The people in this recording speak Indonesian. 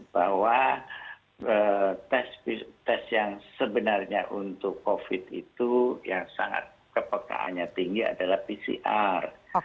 bahwa tes yang sebenarnya untuk covid itu yang sangat kepekaannya tinggi adalah pcr